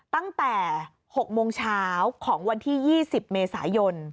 ตั้งแต่๖โมงเช้าของวันที่๒๐เมษายน